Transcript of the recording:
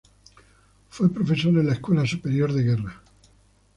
Fue profesor en la Escuela Superior de Guerra.